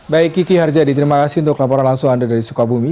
baik kiki harjadi terima kasih untuk laporan langsung anda dari sukabumi